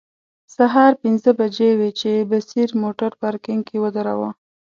سهار پنځه بجې وې چې بصیر موټر پارکینګ کې و دراوه.